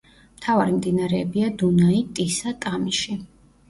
მთავარი მდინარეებია: დუნაი, ტისა, ტამიში.